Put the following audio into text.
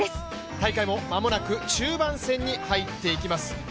大会も、間もなく中盤戦に入っていきます。